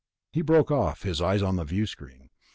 He broke off, his eyes on the viewscreen.